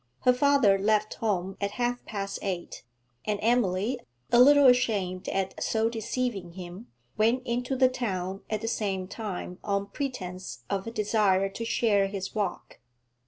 Her father left home at half past eight, and Emily, a little ashamed at so deceiving him, went into the town at the same time on pretence of a desire to share his walk.